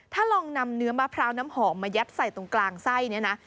ถ้าลองนำเนื้อมะพร้าวน้ำหอมมายัดใส่ตรงกลางไส้เนี่ยนะ